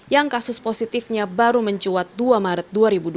yang kasus positifnya baru mencuat dua maret dua ribu dua puluh